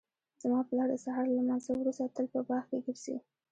زما پلار د سهار له لمانځه وروسته تل په باغ کې ګرځي